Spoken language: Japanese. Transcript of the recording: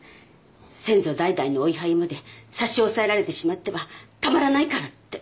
先祖代々のお位牌まで差し押さえられてしまってはたまらないからって。